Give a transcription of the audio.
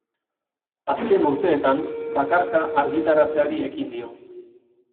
Azken urteetan, bakarka argitaratzeari ekin dio.